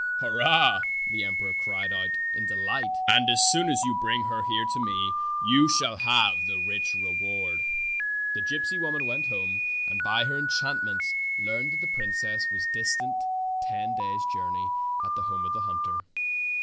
"Hurrah!" the emperor cried out in de light, "and as soon as you bring her here to me you shall have the rich reward." 96 Fairy Tale Foxes The gypsy woman went home, and by her enchantments learned that the princess was distant ten days' journey at the home of the hunter.